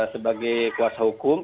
sebagai kuasa hukum